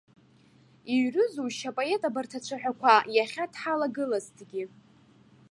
Иҩрызушь апоет абарҭ ацәаҳәақәа иахьа дҳалагылазҭгьы?